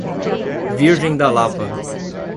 Virgem da Lapa